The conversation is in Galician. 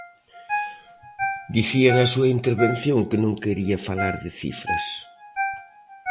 Dicía na súa intervención que non quería falar de cifras.